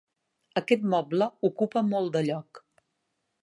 Aquest moble ocupa molt de lloc.